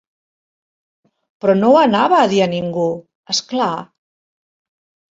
Però, no ho anava a dir a ningú, és clar.